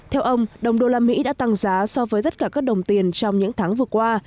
theo ông đồng đô la mỹ đã tăng giá so với tất cả các đồng tiền trong những tháng vừa qua